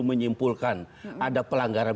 menyimpulkan ada pelanggaran